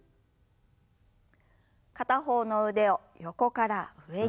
片方の腕を横から上に。